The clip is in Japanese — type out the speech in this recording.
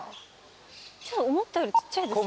思ったよりちっちゃいですね。